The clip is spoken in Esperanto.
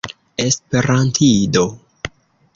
esperantido